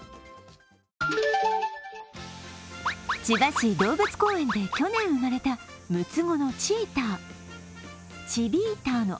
千葉市動物公園で去年生まれた六つ子のチーター。